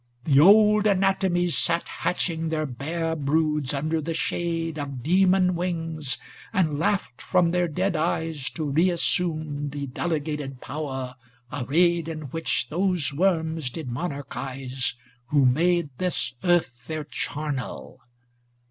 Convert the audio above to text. The old anatomies 500 Sate hatching their bare broods under the shade ' Of demon wings, and laughed from their dead eyes To reassume the delegated power, Arraj'ed in which those worms did mon archize 'Who made this earth their charnel.